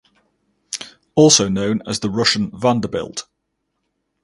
Also known as the Russian Vanderbilt.